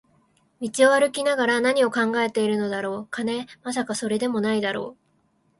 道を歩きながら何を考えているのだろう、金？まさか、それだけでも無いだろう